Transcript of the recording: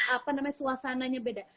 apa namanya suasananya beda